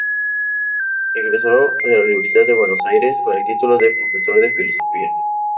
Egresó de la Universidad de Buenos Aires con el título de profesor de Filosofía.